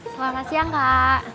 selamat siang kak